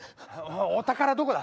お宝どこだ？